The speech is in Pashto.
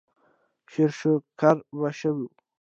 شېروشکر به شو.